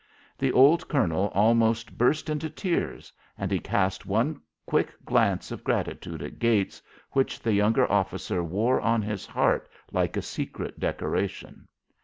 The old colonel almost burst into tears, and he cast one quick glance of gratitude at Gates, which the younger officer wore on his heart like a secret decoration.